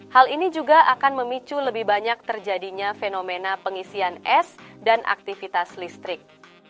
hal ini juga akan memicu lebih banyak terjadinya fenomena pengisian es dan aktivitas listrik